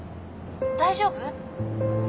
大丈夫？